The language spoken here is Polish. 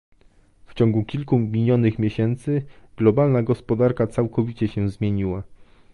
W ciągu kilku minionych miesięcy globalna gospodarka całkowicie się zmieniła